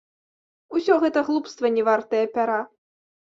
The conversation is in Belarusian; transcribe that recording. Усё гэта глупства, не вартае пяра.